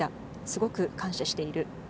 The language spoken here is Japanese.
すごく感謝している。